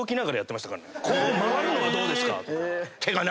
「こう回るのはどうです？」とか。